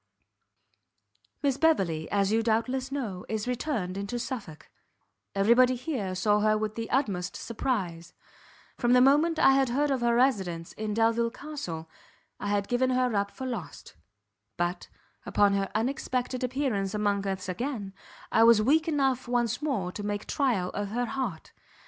"Miss Beverley, as you doubtless know, is returned into Suffolk; every body here saw her with the utmost surprize; from the moment I had heard of her residence in Delvile Castle, I had given her up for lost; but, upon her unexpected appearance among us again, I was weak enough once more to make trial of her heart.